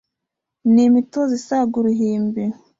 N ' imitozo isaga uruhimbi,